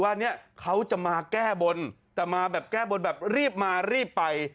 ว่าเนี่ยเขาจะมาแก้บนแต่มาแบบแก้บนแบบรีบมารีบไป